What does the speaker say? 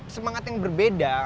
semangat yang berbeda